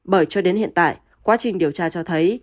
bởi cho đến hiện tại quá trình điều tra cho thấy